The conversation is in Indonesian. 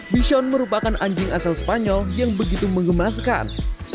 bison merupakan anjing asal spanyol yang begitu mengemaskan